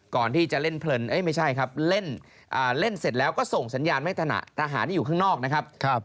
ก่อนที่จะเล่นเสร็จแล้วก็ส่งสัญญาณให้ทหารที่อยู่ข้างนอกนะครับ